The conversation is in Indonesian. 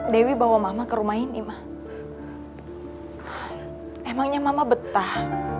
dewi bawa mama ke rumah ini mah emangnya mama betah